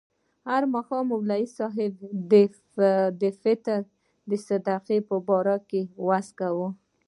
هر ماښام ملا صاحب د فطر د صدقې په باره کې وعظ کاوه.